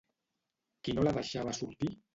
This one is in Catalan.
Qui no la deixava sortir?